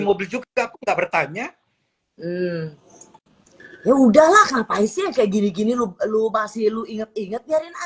mobil juga nggak bertanya ya udah lah kenapa isinya kayak gini gini lu lu masih lu inget inget biarin